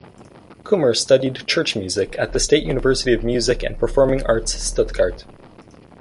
Kummer studied Church music at the State University of Music and Performing Arts Stuttgart.